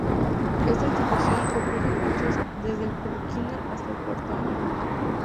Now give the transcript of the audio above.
Esta institución ofrece cursos desde el pre-kinder hasta el cuarto año.